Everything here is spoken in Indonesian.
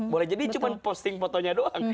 boleh jadi cuma posting fotonya doang